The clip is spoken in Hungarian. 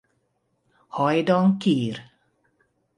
Hajdan Kir.